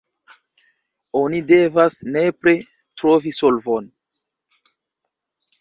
Oni devas nepre trovi solvon.